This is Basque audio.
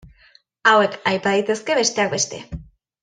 Hauek aipa daitezke, besteak beste.